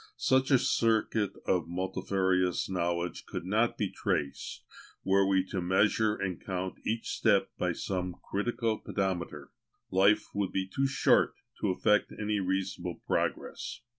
Such a circuit of multifarious knowledge could not be traced were we to measure and count each step by some critical pedometer; life would be too short to effect any reasonable progress.